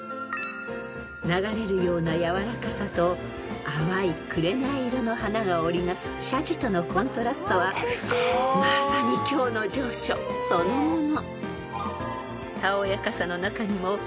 ［流れるようなやわらかさと淡い紅色の花が織り成す社寺とのコントラストはまさに京の情緒そのもの］